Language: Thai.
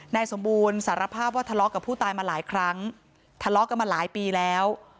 นายสมบูรณ์สารภาพว่าทะเลาะกับผู้ตายมาหลายครั้งทะเลาะกันมาหลายปีแล้ว